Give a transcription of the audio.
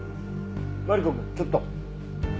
マリコくんちょっと。